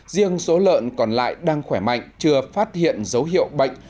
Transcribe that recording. riêng số lợn còn lại đang khỏe mạnh chưa phát hiện dấu hiệu bệnh